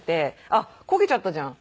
「あっ焦げちゃったじゃん。